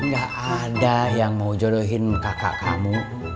gak ada yang mau jodohin kakak kamu